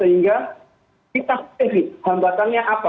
sehingga kita pilih hambatannya apa